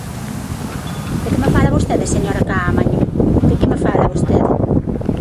¿De que me fala vostede, señora Caamaño?, ¿de que me fala vostede?